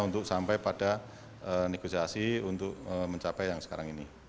untuk sampai pada negosiasi untuk mencapai yang sekarang ini